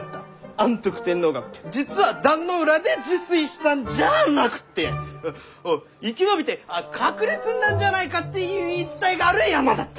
安徳天皇が実は壇ノ浦で入水したんじゃなくって生き延びて隠れ住んだんじゃないかっていう言い伝えがある山だった！